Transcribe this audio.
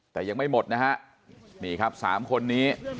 แต่ยังไม่หมดนะฮะนี่ครับ๓คนนี้